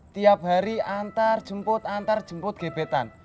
tiap hari antar jemput antar jemput gebetan